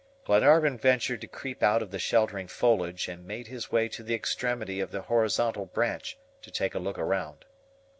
Glenarvan ventured to creep out of the sheltering foliage, and made his way to the extremity of the horizontal branch to take a look round.